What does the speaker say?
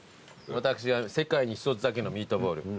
私は世界に一つだけのミートボール。